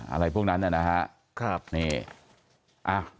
อะไรพวกนั้นนะฮะ